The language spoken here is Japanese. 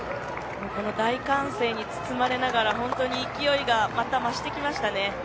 大歓声に包まれながら勢いが増してきました。